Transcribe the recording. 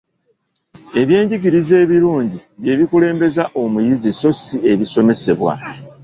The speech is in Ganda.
Ebyenjigiriza ebirungi bye bikulembeza omuyizi sso si ebisomesebwa.